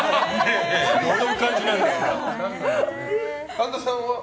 神田さんは？